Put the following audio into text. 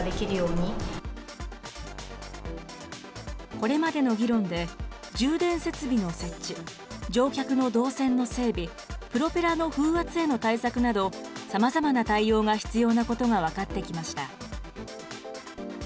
これまでの議論で、充電設備の設置、乗客の動線の整備、プロペラの風圧への対策など、さまざまな対応が必要なことが分かってきました。